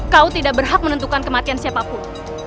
kau tidak berhak menentukan kematian siapapun